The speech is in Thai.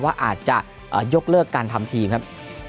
ว่าอาจจะยกเลิกการทำทีมครับ